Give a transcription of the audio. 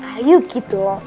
ayu gitu loh